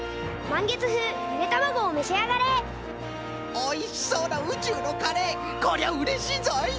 おいしそうなうちゅうのカレー！こりゃうれしいぞい！